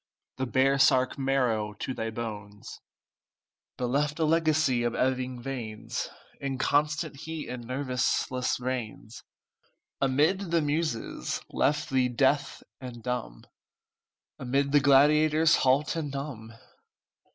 The baresark marrow to thy bones, But left a legacy of ebbing veins, Inconstant heat and nerveless reins, Amid the Muses, left thee deaf and dumb, Amid the gladiators, halt and numb."